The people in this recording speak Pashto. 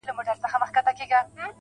هر گړى خــوشـــالـــه اوســـــــــــې.